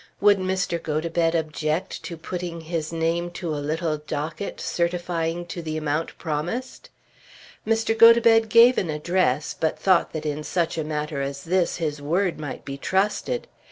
Would Mr. Gotobed object to putting his name to a little docket certifying to the amount promised? Mr. Gotobed gave an address, but thought that in such a matter as that his word might be trusted.